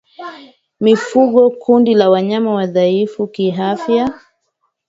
mifugo kundi la wanyama wadhaifu kiafya